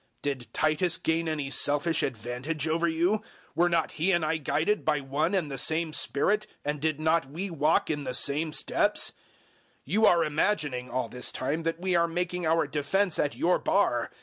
Did Titus gain any selfish advantage over you? Were not he and I guided by one and the same Spirit, and did we not walk in the same steps? 012:019 You are imagining, all this time, that we are making our defense at your bar.